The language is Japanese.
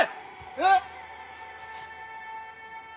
えっ？